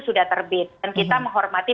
sudah terbit dan kita menghormati